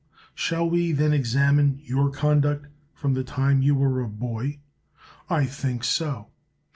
Shall we then examine your conduct from the time when you were a boy? I think so.